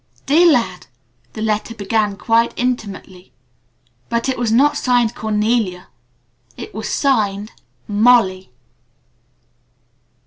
"Dear Lad," the letter began quite intimately. But it was not signed "Cornelia". It was signed "Molly"!